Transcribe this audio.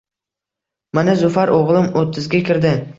Mana, Zufar o`g`lim o`ttizga kirdi